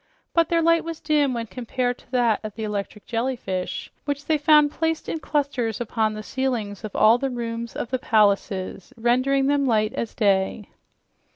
But their light was dim when compared to that of the electric jellyfish, which they found placed in clusters upon the ceilings of all the rooms of the palaces, rendering them light as day.